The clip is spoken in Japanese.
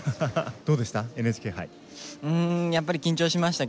どうでした？